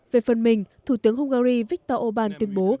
về phần mình thủ tướng hungary viktor orbán tuyên bố